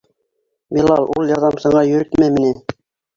Билал, ул ярҙамсыңа йөрөтмә мине.